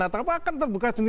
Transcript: atau apa akan terbuka sendiri